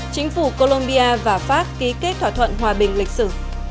chính phủ colombia và pháp ký kết thỏa thuận hòa bình lịch sử